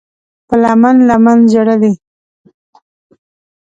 په لمن، لمن ژړلي